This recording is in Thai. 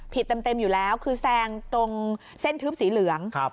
เต็มอยู่แล้วคือแซงตรงเส้นทึบสีเหลือง